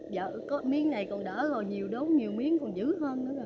giờ có miếng này còn đỡ rồi nhiều đốm nhiều miếng còn dữ hơn nữa rồi